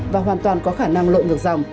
và hoàn toàn có khả năng lộ ngược dòng